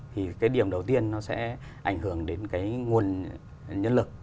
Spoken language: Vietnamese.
thì cái điểm đầu tiên nó sẽ ảnh hưởng đến cái nguồn nhân lực